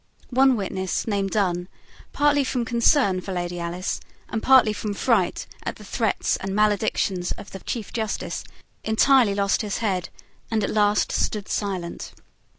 One witness named Dunne, partly from concern for Lady Alice, and partly from fright at the threats and maledictions of the Chief Justice, entirely lost his head, and at last stood silent.